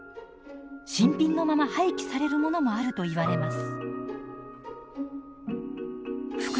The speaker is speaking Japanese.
新品のまま廃棄されるものもあるといわれます。